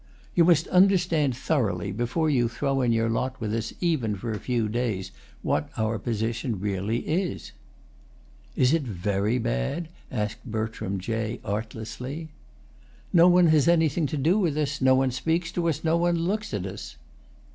"You must understand thoroughly, before you throw in your lot with us even for a few days, what our position really is." "Is it very bad?" asked Bertram Jay artlessly. "No one has anything to do with us, no one speaks to us, no one looks at us."